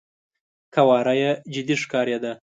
قواره يې جدي ښکارېده.